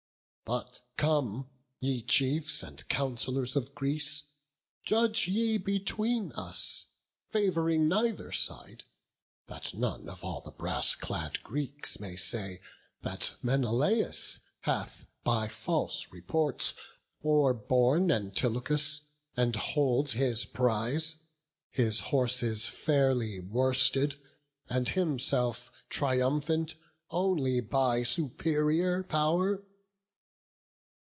But come, ye chiefs and councillors of Greece, Judge ye between us, fav'ring neither side: That none of all the brass clad Greeks may say That Menelaus hath by false reports O'erborne Antilochus, and holds his prize: His horses fairly worsted, and himself Triumphant only by superior pow'r.